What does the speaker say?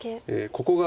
ここが。